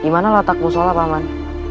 dimana latakmu sholat paman